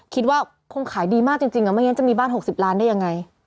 คิดว่าคงขายดีมากจริงไม่งั้นจะมีบ้าน๖๐ล้านได้ยังไง